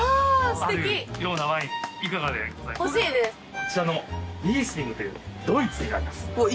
こちらのリースリングというドイツになりますあっ